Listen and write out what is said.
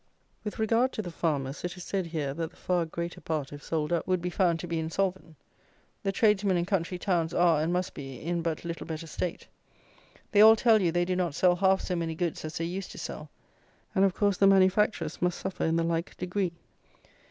With regard to the farmers, it is said here that the far greater part, if sold up, would be found to be insolvent. The tradesmen in country towns are, and must be, in but little better state. They all tell you they do not sell half so many goods as they used to sell; and, of course, the manufacturers must suffer in the like degree.